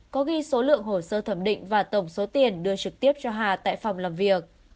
có ghi số lượng hồ sơ thẩm định và tổng số tiền đưa trực tiếp cho hà tại phòng làm việc